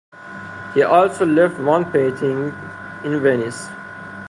He also left one painting in Venice.